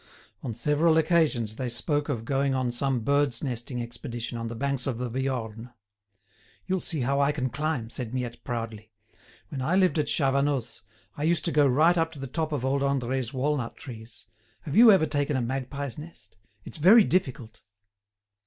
On several occasions they spoke of going on some bird's nesting expedition on the banks of the Viorne. "You'll see how I can climb," said Miette proudly. "When I lived at Chavanoz, I used to go right up to the top of old Andre's walnut trees. Have you ever taken a magpie's nest? It's very difficult!"